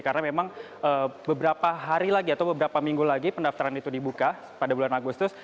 karena memang beberapa hari lagi atau beberapa minggu lagi pendaftaran itu dibuka pada bulan agustus